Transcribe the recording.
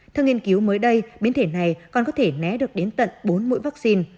theo nghiên cứu mới đây biến thể này còn có thể né được đến tận bốn mũi vaccine